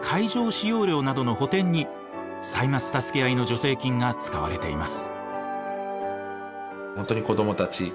使用料などの補填に「歳末たすけあい」の助成金が使われています。